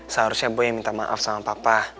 seharusnya bu yang minta maaf sama papa